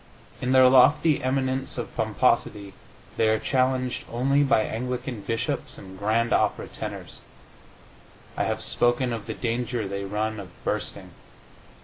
In their lofty eminence of pomposity they are challenged only by Anglican bishops and grand opera tenors. I have spoken of the danger they run of bursting.